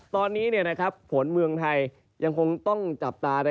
ตอนนี้ฝนเมืองไทยยังคงต้องจับตา